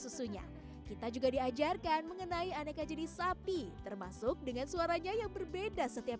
susunya kita juga diajarkan mengenai aneka jenis sapi termasuk dengan suaranya yang berbeda setiap